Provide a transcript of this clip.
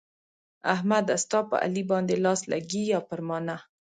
احمده! ستا په علي باندې لاس لګېږي او پر ما نه.